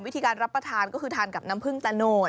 วิธีการรับประทานก็คือทานกับน้ำผึ้งตะโนด